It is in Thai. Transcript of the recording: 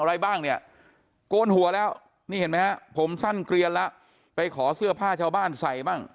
อะไรบ้างเนี่ยโกนหัวแล้วนี่เห็นไหมฮะผมสั้นเกลียนแล้วไปขอเสื้อผ้าชาวบ้านใส่บ้าง